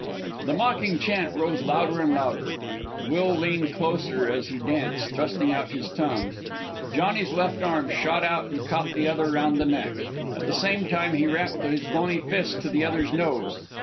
The mocking chant rose louder and louder. Will leaned closer as he danced, thrusting out his tongue. Johnny's left arm shot out and caught the other around the neck. At the same time he rapped his bony fist to the other's nose.